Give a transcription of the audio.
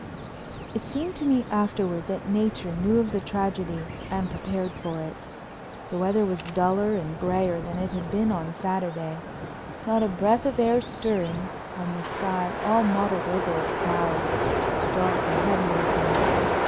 It seemed to me afterward that Nature knew of the tragedy and prepared for it. The weather was duller and grayer than it had been on Saturday, not a breath of air stirring and the sky all mottled over with clouds, dark and heavy looking.